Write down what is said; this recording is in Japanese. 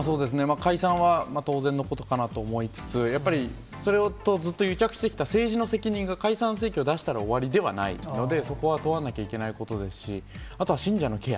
解散は当然のことかなと思いつつ、やっぱり、それを、ずっと癒着してきた政治の責任が解散請求を出したら終わりではないので、そこは問わなきゃいけないことですし、あとは信者のケア。